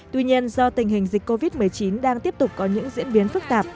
tuy nhiên do tình hình dịch covid một mươi chín đang tiếp tục có những diễn biến phức tạp